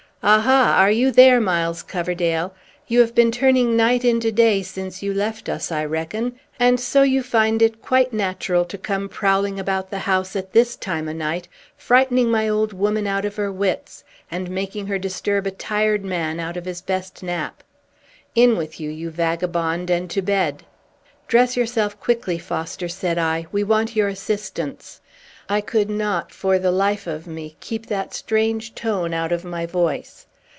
"Aha! are you there, Miles Coverdale? You have been turning night into day since you left us, I reckon; and so you find it quite natural to come prowling about the house at this time o' night, frightening my old woman out of her wits, and making her disturb a tired man out of his best nap. In with you, you vagabond, and to bed!" "Dress yourself quickly, Foster," said I. "We want your assistance." I could not, for the life of me, keep that strange tone out of my voice.